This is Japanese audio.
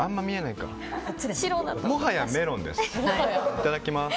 いただきます。